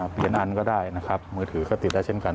อันก็ได้นะครับมือถือก็ติดได้เช่นกัน